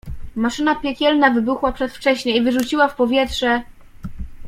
Maszyna piekielna wybuchła przedwcześnie i wyrzuciła w powietrze…